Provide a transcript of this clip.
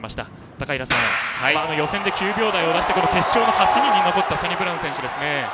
高平さん、予選で９秒台を出して決勝の８人の残ったサニブラウン選手ですね。